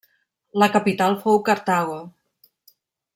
La capital fou Cartago.